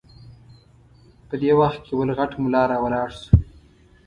په دې وخت کې بل غټ ملا راولاړ شو.